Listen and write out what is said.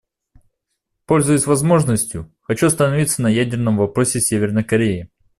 Пользуясь возможностью, хочу остановиться на ядерном вопросе Северной Кореи.